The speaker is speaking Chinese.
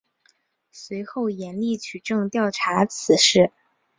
随后严厉取证调查此事。